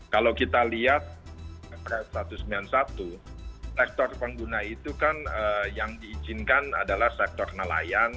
kalau kita lihat perpres satu ratus sembilan puluh satu sektor pengguna itu kan yang diizinkan adalah sektor nelayan